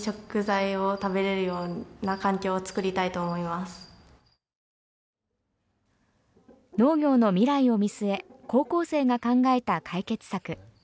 将来の夢は農業の未来を見据え、高校生が考えた解決策